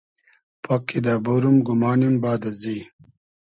پاک کیدہ بۉروم گومانیم باد ازی